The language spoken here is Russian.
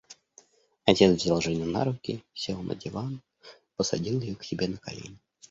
Отец взял Женю на руки, сел на диван, посадил ее к себе на колени.